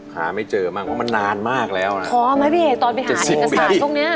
หาไม่เจอบ้างเพราะมันนานมากแล้วนะพอไหมพี่เอกตอนไปหาเอกสารตรงเนี้ย